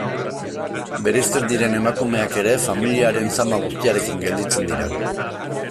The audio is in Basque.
Bereizten diren emakumeak ere, familiaren zama guztiarekin gelditzen dira.